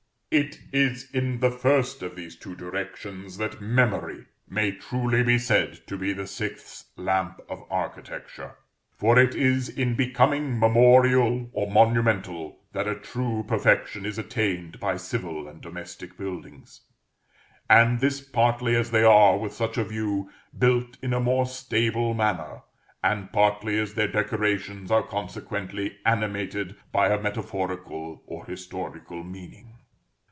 It is in the first of these two directions that Memory may truly be said to be the Sixth Lamp of Architecture; for it is in becoming memorial or monumental that a true perfection is attained by civil and domestic buildings; and this partly as they are, with such a view, built in a more stable manner, and partly as their decorations are consequently animated by a metaphorical or historical meaning.